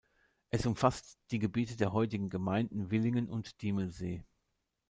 Es umfasst die Gebiete der heutigen Gemeinden Willingen und Diemelsee.